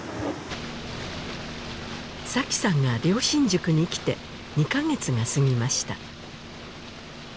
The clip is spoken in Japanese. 紗妃さんが良心塾に来て２か月がすぎました